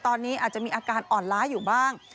ตอนนี้อาจจะมีอาการอ่อนล้าอยู่บ้าง